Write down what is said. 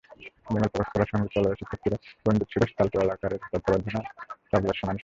বেঙ্গল পরম্পরা সংগীতালয়ের শিক্ষার্থীরা পণ্ডিত সুরেশ তালওয়ালকারের তত্ত্বাবধানে তবলায় শোনান কীর্তন।